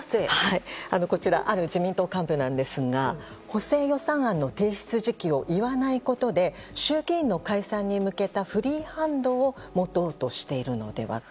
こちら、ある自民党幹部ですが補正予算案の提出時期を言わないことで衆議院の解散に向けたフリーハンドを持とうとしているのではと。